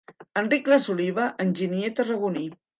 Enric Ras Oliva enginyer tarragoní